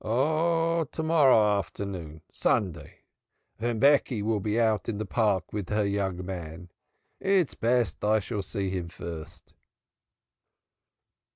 "Oh, to morrow afternoon, Sunday, when Becky will be out in the park with her young men. It's best I shall see him first!"